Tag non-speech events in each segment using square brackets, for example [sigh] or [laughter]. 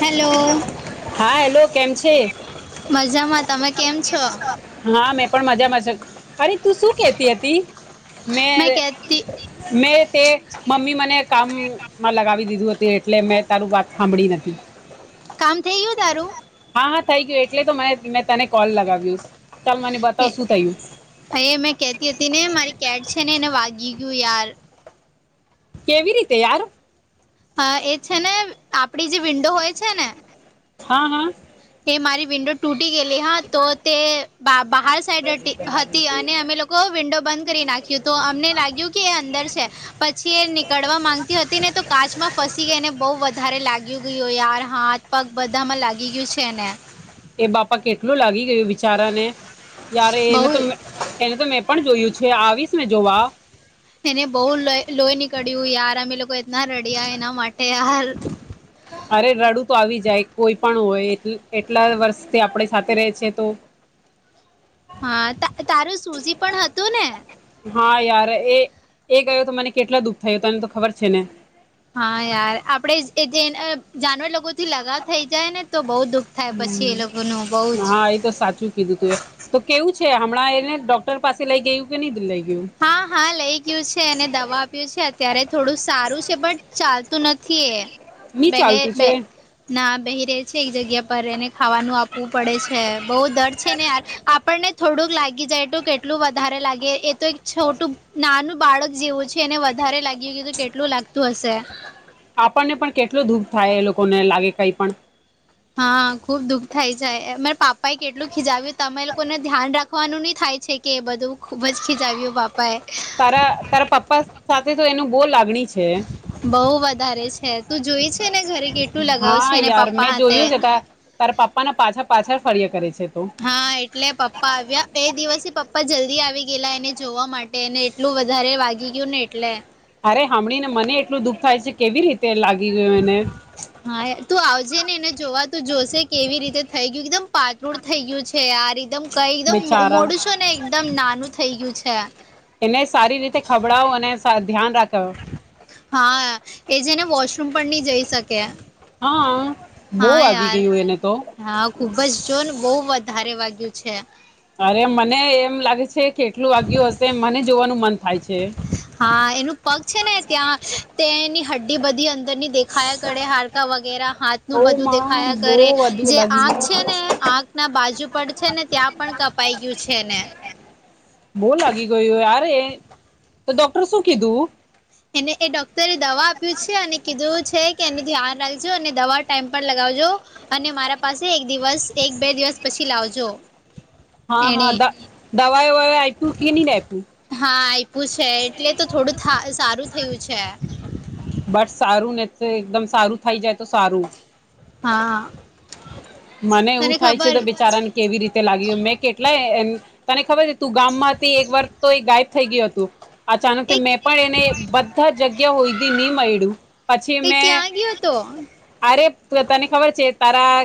હાલો. હા હેલો કેમ છે. મજામાં તમે કેમ છો હા મેં પણ મજામાં અરે તું શું કેતી હતી. મેં મેં તે મમ્મી મને કામમાં લગાવી દીધું હતું. એટલે મેં તારું વાત સાંભળી નથી કામ થઈ ગયું તારું હા હા થઈ ગયું એટલે તો મને મેં તને કોલ લગાવ્યું ચાલ મને બતાવ શું થયું એ મેં કેતી હતી ને મારી કેટ છે ને એને વાગી ગીગું યાર કેવી રીતે યાર હા એ છે ને આપડી જે વિન્ડો હોય છે ને હા હા હ મારી વિન્ડો ટુ ગયલી હા તો તે બાર સાઈડ હતી અને અમે લોકો વિન્ડો બંધ કરી નાખી અમને લાગ્યું કે એ અંદર છે પછી એ નીકળવા માંગતી હતી ને તો કાચમાં ફસી ગઈ એને બહુ વધારે લાગ્યું ગયું યાર હાથ પગ બધામાં લાગી ગયું છે ને એ બાપા કેટલું લાગી ગયું વિિચારાને યાર બહુ એને તો એને તો મેં પણ જોયું છે આવીશ મેં જોવા એને બહુ લોહી નીકળ્યું યાર અમે એ લોકો એટના રડ્યા એના માટે યાર અરે રડું તો આવી જાય કોઈ પણ હોય એટલા વર્ષથી આપણે સાથે ર છે તો હા તારું સૂઝ પણ હતું ને હા યાર એ એ ગયો તો મને કેટલા દુઃખ થાયું તને તો ખબર છે ને હા યાર આપડે જે જાનવર લોકો થી લગાવ થઈ જાય ને તો બહુ દુઃખ થાય પછી એ લોકોનું બહ જ હા એ તો સાચું કીધું તું એ તો કેવું છે હમણાં એને ડોક્ટર પાસે લઈ ગયું કે નહી દિઈ હા હા લઈ ગયું છે અને દવા આપ્યું છે અત્યારે થોડું સારું છે પણ ચાલ તો નથી એ નહી ચાલતું બે છે ના બહી ર છે એક જગ્યા પર એને ખાવાનું આપવું પડે છે બહ દર છે ને યાર આપણને થોડું લાગી જાય તો કેટલું વધારે લાગે એ તો છોટું નાનું બાળક જેવું છે એને વધારે લાગ્યું કે તો કેટલું લાગતું હશે આપણને પણ કેટલ દુઃખ થાય એ લોકોને લાગે કઈ પણ હા ખુબ દુઃખ થાય છે અમારે પાપા એ કેટલું ખીજાવ્યું તમે લોકોને ધ્યાન રાખવાનું નહી થાય છે કે એ બધું ખૂબ જ ખીચાવ્યું બાપાએ તારા તારા પપ્પા સાથે તો એનું બહુ લાગણી છે બઉ વધારે છે તું જોઈ છે ને ઘરે કેટલું લગાવ હા છે ને પપ્પા હાથે [inaudible] ના પાછા પાછળ ફરિયા કરે છે તો હા એટલે પપ્પા આવ્યા એ દિવસ પપ્પા જલ્દી આવી ગયા લા એને જોવા માટે એને એટલું વધારે વાગી ગયું ને એટલે અરે સાંભળી ને મને એટલું દુઃખ થાય છે કેવી રીતે લાગે હા તું આવજે ને એને જોવા તો જોશે કેવી રીતે થઈ ગયું એકદમ પાતળ થઈ ગયું છે આજ એકદમ કઈ એકદમ બેચારા મોડું છો ને એકદમ નાનું થઇ ગયું છે એને સારી રીતે ખભડાવો અને ધ્યાન રાખો હા એ જેને વોશરૂમ પણ નહી જઈ શકે હા બહુ હા વાગી યાર ગયું એને તો હા ખુબજ જો ને બહ ધારે વાગય્યું છે અરે મને એમ લાગે છે કેટલું વાગય્યું હશે મને જોવાનું મન થાય છે હા એનું પગ છે ને ત્યાં તેની હડ્ડી બધી અર અંદર ની દેખાયા કરે હડકા વગેરે હાથ નું ઓ બધું માં દેખાયા બહુ કરે વધુ જે લાગી આંખ છે ગયું. ને આક ના બાજુ પડ છે ને ત્યાં પણ કપાઈ ગયું છે ને બહ લાગી ગયું રે તો ડોક્ટર શું કીધું એને એ ડોક્ટરે દવા આપ્યું છે અને કીધું છે કે એનું ધ્યાન રાખજો અને દવા ટાઈમ પર લગાવ અને મારા પાસે એક દિવસ એક બે દિવસ પછી લાવજો હા એણે હા દવાઈવા આ હા આપ્યું છે એટલે તો થોડું સારું થયું છે બસ સારું ને તો એકદમ સારું થઈ જાય તો સારું હા મને એવું તને થાય છે ખબર તો બેચારાને કેવી રીતે લાગ્યું મેં કેટલાય એમ તને ખબર છે તું ગામ મા હતી એક વાર તો એ ગાયબ થઈ ગયું હતું અચાનક એક મેં પણ એને બધા જગ્યા હોઈડી નહી મળ્યું પછી મેં કયો હતો અરે તને ખબર છે ખારા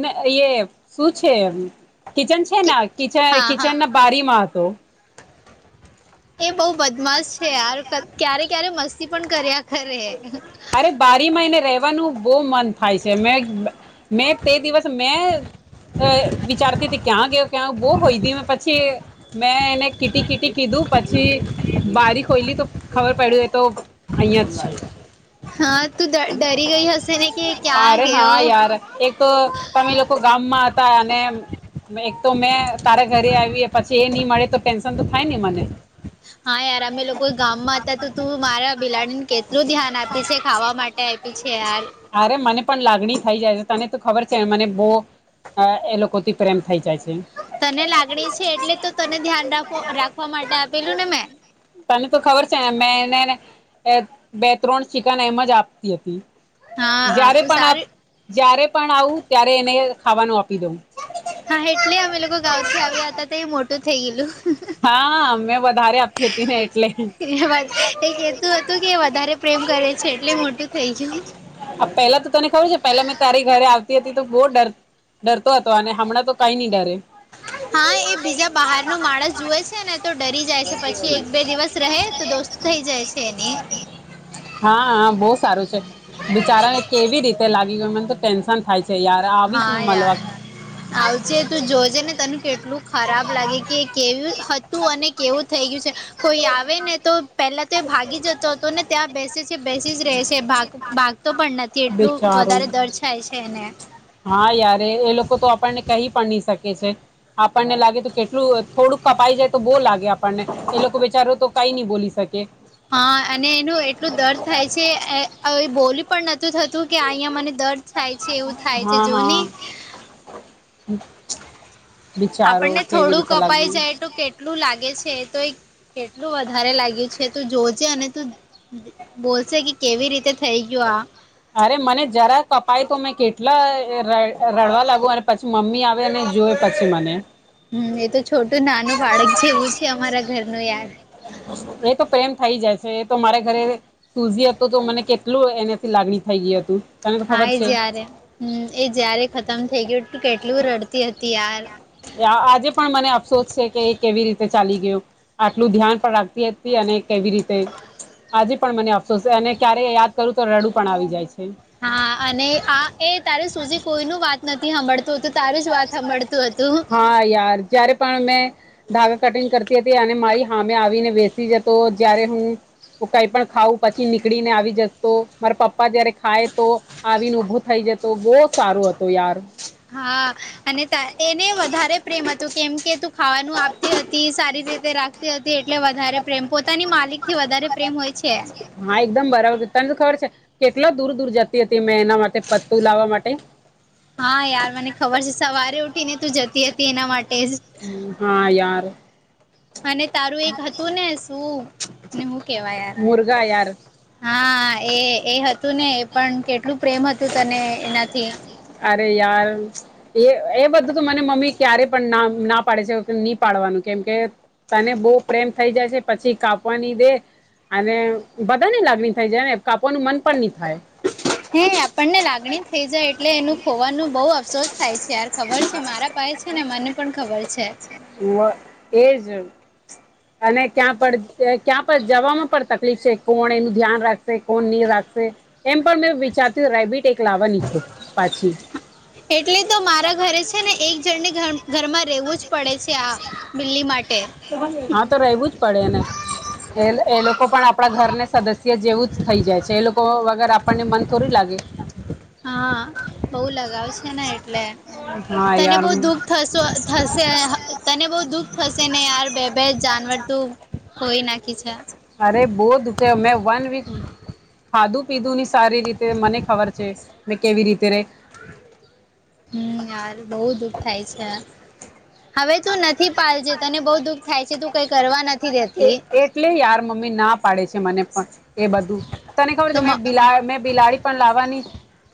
ને એ શું છે કિચન છે ન કચ હા હા કિચન ના બારીમાં હત એ બહુ બદમાશ છે યાર ક્યારે ક્યારે મસ્તી પણ કર્યા ખરે અરે બારીમાં એને રવાનું બહ મન થાય છે મે મે તે દિવસ મે વિચારતી તે ક્યાં ગયો ક્યાં બહ હોઈડી મે પછી મેં એને કીટી કીટી કીધું પછી બારી ખોઈલી તો ખબર પડ્યું એ તો અહિયાં જ છે હા તું ડ- ડરી ગઈ હશે ને કે ક્યાં અરે ગયો હા યાર એક તો તમે લોકો ગામમાં હતા અને એક તો મેં તારા ઘરે આવી પછી એ નહી મળે તો ટેન્શન તો થાય ને મને હા યાર અમે લોકો ગામમાં હતા તો તું મારા બિલાડીને કેટલું ધ્યાન આપી છે ખાવા માટે આપ્યું છે યાર અરે મને પણ લાગણી થઈ જાય છે તને તો ખબર છે મને બહ એ લોકોથી પ્રેમ થઈ જાય છે તને લાગણી છે એટલે તો તને ધ્યાન રાખ રાખવા માટે આપેલું ને મેં ખબર છે ને મે એને ને એ બે ત્રણ ચિકન એમ જ આપતી હતી હા જય્યારે આપું પણ આપ સારું જ્યારે પણ આવું ત્યારે એને ખાવાનું આપ હા એટલે અમે લોકો ગાઉથી આવ્યા હતા તો એ મોટું થઇ ગયલું હા મેં વધારે આપી હતી ને એટલે એ વાત એક એતું હતું કે વધારે પ્રેમ કરે છે એટલે મોટું થઇ ગયું આ પેલા તો તને ખબર છે પેલા મેં તારી ઘરે આવતી હતી તો બહ ડર ડરતો હતો અને હમણાં તો કઈ નહી ડરે હ [unintelligible] હા એ બીજા બહાર ન માણસ જુએ છે ને તો ડરી જાય છે પછી એક બે દિવસ રહે તો દોસ્તો થઈ જાય છે એની હા હા બહુ સારું છે બિચારાને કેવી રીતે લાગી ગય મને તો ટેન્શન થાય છે યાર આવીશ હા મે મલવા યાર આવજે તું જોજે ને તને કેટલું ખરાબ લાગે કે કેવી હતું અને કેવું થઈ ગયું છે કોઈ આવે ને તો પહેલા તો એ ભાગી જતો હતો ને ત્યાં બેસે છે બેસી જ ર છે ભાગ ભાગતો પણ નથી એટલું બેચારું વધારે દર થાય છે એને હા યાર એ એ લોકો તો આપણને કહી પણ નહી શકે છે આપણને લાગે તો કેટલું થોડુંક કપાઈ જાય તો બહ લાગે આપણને એ લોકો વિચારો તો કઈ નઈ બોલી શકે હા અને એનું એટલું દર થાય છે બોલી પણ નથી [unintelligible] થતું કે અહિયા મને દર્દ થાય છે એવું થાય છે જો ને હમ [unintelligible] આપણને થોડું કપાઈ જાય તો કેટલું લાગે છે તો કેટલું વધારે લાગ્યું છે તું જોજે અને તું બોલશે કે કેવી ક રીતે થઈ ગયો આ અરે મને જરા કપાય તો મેં કેટલા રડવા લાગુ અને પછી મમ્મી આવે અને જોવે પછી મને હમ એ તો જો ઘરનું યાર એ તો પ્રેમ થઈ જાય છે તો મારે ઘરે સુઝી હતું તો મને કેટલું એનાથી લાગણી થઈ ગઈ હતુ હા એ જય્યારે હમ એ જયારે ખતમ થઇ ગયું તું કેટલું રડતી હતી યાર આજે પણ મને અફસોસ છે કે એ કેવી રીતે ચાલી ગયું આટલું ધ્યાન પણ રાખતી હતી અને કેવી રીતે આજે પણ મને અફસોસ છે અને ક્યારે યાદ કરું તો રડું પણ આવી જાય છે હા અને આ એ તારે સુધી કોઈ ન વાત નથી સાભડતું તોું તારે જ વાત સાડતું હતું હા યાર જયારે પણ મેં ધાાગા કટિંગ કરતી હતી અને મારી હા મેમે આવીને બેસી જતો જય્યારે હું તોું કઈ પણ ખઉં પછી નીકળી ને આવી જતો મારા પપ્પા પપ્પા જારે ખાય તો આવીને ઉભો થઈ જતો બહુ સારું હતો યાર હા અને એને વધારે પ્રેમ હતું કેમ કે તું ખાવાનું આપતી હતી સારી રીતે રાખતી હતી એટલે વધારે પ્રેમ પોતાની માલિક થી વધારે પ્રેમ હોય છે હા એકદમ બરાબર તને તો ખબર છે કેટલા દૂર દૂર જતી હતી મેં એના માટે પતું લાવવા માટે હા યાર મને ખબર છે સવારે ઉઠી ને તું જતી હતી એના માટે જ હ હા યાર અને તારું એક હતું ને શું ને હું કેવાય યાર મુર્ગા યાર હા એ એ હતું ને એ પણ કેટલું પ્રેમ હતું તને એનાથી ય બધું તો મને મમ્મી ક્યારે પણ ના પાડે છે નહી પાડવાનું કે કેમ કે તને બહુ પ્રેમ થઈ જાય છે પછી કાપવાની દે અને બધાની લાગણી થાય જાય ને કાપવાનું મન પણ નહી થાય [inaudible] હે આપણને લાગણી થઈ જાય એટલે એનું ખોવાનું બહુ અફસોસ થાય છે યાર ખબર છે મારા પાસે છે ને મને પણ ખબર છે હ એજ અને ક્યાં પણ ક્યાં પણ જવામાં પણ તકલીફ છે કોણ એનું ધ્યાન રાખ કો રાખશે એમ પણ મેં વિચારતી રેબિટ એક લાવવાની છું પાછી એટલે તો મારા ઘરે છે ને એક જણની ઘર ઘરમાં રહેવું જ પડે છે આ બિલ્લી માટે હા તો રહેવું જ પડેને એ એ લોકો પણ આપણા ઘરને સદસ્ય જેવું જ થઈ જાય છે એ લોકો વગર આપણને મન થોડી લાગે હા બઉ લગાવ છે ને એટલે હા તને યાર બહ દુઃખ થ થશે તને બહ દુઃખ થશે નેાર બે બે જાવાર તોું હોય નાખી છે અરે બહ દખ મેં વન વીક ખાધું પીધું નની સારી રીતે મને ખબર છે મેં કેવી રીતે રહે હમ યાર બહુ દુઃખ થાય છે હવે તું નથી પાલજે તને બહુ દુઃખ થાય છે તું કઈ કરવા નથી દેતી એટલે યાર મમ્મી ના પાડે છે મને પણ એ બધું તને ખબર તો છે મ મેં બિલા બિલાડી પણ લાવવાની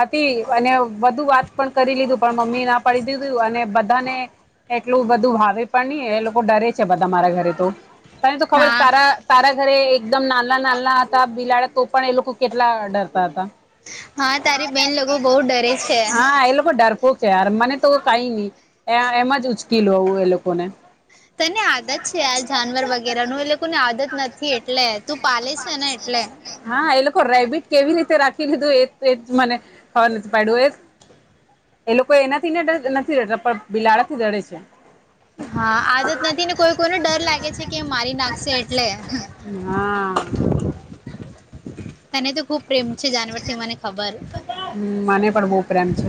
હતી અને વધધુ વાત પણ કરી લીધું પણ મમ્મી ના પાડી દીધું અને બધાને એટલું બધું ભાવે પણ ન એ લોકો ડરે છે બધા મારા ઘરે તો તને તો ખબર હા તારા તારા ઘરે એકદમ નાલા નાના હતા બિલાડ્યા તો પણ એ લોકો કેટલા ડરતા હતા હા તારી બેન લોકો બહુ ડરે છે હા એ લોકો ડર ઓકે યાર મને તો કઈ નહી એમ જ ઉચકી લવું એ લોકોને તને આદત છેાર જાનવર વગેરે એ લોકો ની આદત નથી એટલે તું પાલે છે ને એટલે હા એ લોકો રેબિટ કેવી રીતે રાખી લીધું એ એ મને ખવા નથી પાડું એ એ લોકો એનાથી ને નથી રડતા પણ બિલાડાથી ડડે છે હા આદત નથી ને કોઈ કોઈને ડર લાગે છે કે મારી નાખ. ટલે હા તને તો ખૂબ હ મને પણ બહુ પ્રેમ છે.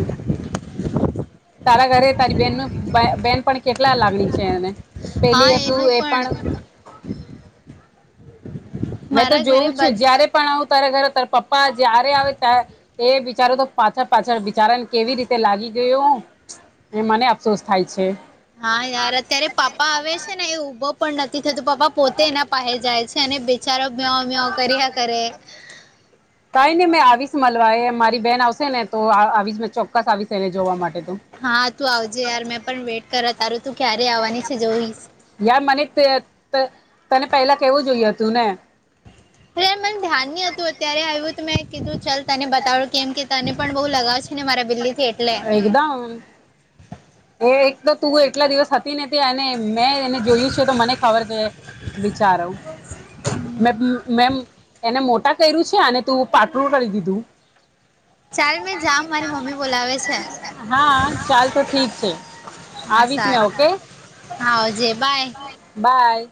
તારા ઘરે તારી બેન ન બેન પણ કેટલા લાગણી છે એને હા પેલી તું એનું એ પણ મેં તો મારા ઘરે જોઉું છું બધ જય્યારે પણ આવ ત ઘરે તાર પપ્પા જયારે આવે ત એ બિચારો તો પાછા પાછળ બિચારા ને કેવી રીતે લાગી. ગયો એ મને અફસોસ થાય છે. હા યાર અત્યારે પાપા આવે છે ને એ ઉભો. પણ નથી થતું પપા પોતે એના પાસે જાય છે અને ચારો મે્યા વ્યા કર્યા કરે [unintelligible] કઈ નને મેં આવીશ મળવા મારી બેન આવશે ને તો આવી ચો ચોક્કસ આવી છેને જોવા માટે તો. હા તું આવજે યાર મેં પણ વેટ કરા તારું તું ક્યારે આવવાની છે જોઈશ ાર મનેથી [unintelligible] તને પહેલા કેવું જોય હતું ને. હ મને ધ્યાન નહ હતું અત્યારે આવ્યું હત મેં કીધું ચલ તને બતાવું કેમ કે. તને પણ બહુ લગા જ. એકદમ એ તો તું એટલા દિવસ હતી ને ત્યા એને મેં એને જોયું છે તો મને ખબર છે. વિચારો મેમ એને મોટા કર્યું છે અનેને તું પાટળું કરી દીધું. ચાલ મેં જા મારી મમ્મી બોલાવે છે હા ચાલ તો ઠીક છે. હા આવીશ મેં સારું ઓકે હા આવજે બાય બાય